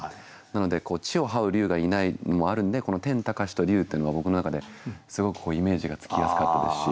なので地をはう龍がいないのもあるんでこの「天高し」と「龍」っていうのは僕の中ですごくイメージがつきやすかったですし。